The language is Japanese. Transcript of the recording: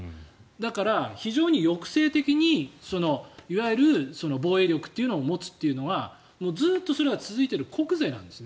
だから、非常に抑制的にいわゆる防衛力を持つというのはずっとそれが続いている国是なんです。